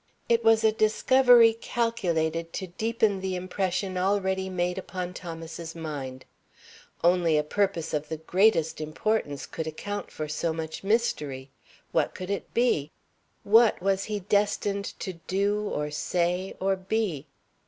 It was a discovery calculated to deepen the impression already made upon Thomas's mind. Only a purpose of the greatest importance could account for so much mystery. What could it be? What was he destined to do or say or be?